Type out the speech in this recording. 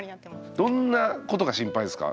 どんなことが心配ですか？